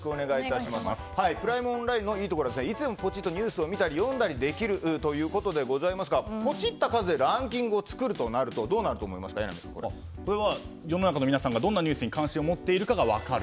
プライムオンラインのいいところはいつでもポチっとニュースを読んだり見たりできたりするということですがポチった数でランキングを作るとなるとそれは、世の中の皆さんがどんなニュースに関心を持っているかが分かる。